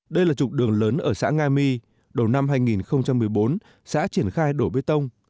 đây là trục đường lớn ở xã nga my đầu năm hai nghìn một mươi bốn xã triển khai đổ bê tông